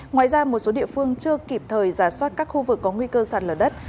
ngoài ra một số địa phương chưa kịp thời giả soát các khu vực có nguy cơ sạt lở đất